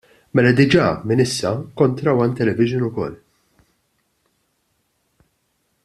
Mela diġà, minn issa, kontra One Television ukoll.